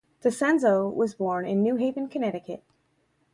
DiCenzo was born in New Haven, Connecticut.